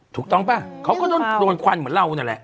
ถูกต้องป่ะเขาก็โดนควันเหมือนเรานั่นแหละ